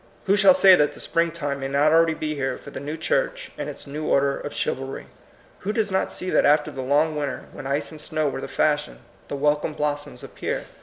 Who shall say that the springtime may not already be here for the new church and its new order of chivalry? Who does not see that after the long winter, when ice and snow were the fashion, the welcome blossoms appear?